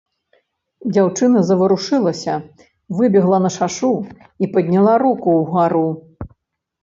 Дзяўчына заварушылася, выбегла на шашу і падняла руку ўгару.